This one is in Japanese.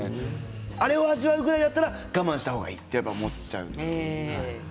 あれを味わうぐらいだったら我慢した方がいいと思ってしまうんですよね。